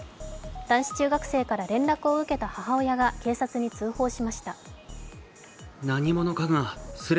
男子中学生から連絡を受けた母親が警察に通報しました。